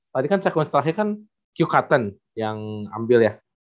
tadi kan second setelahnya kan q cotton yang ambil ya